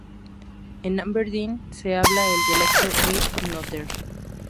En Aberdeen se habla el dialecto "Mid Northern".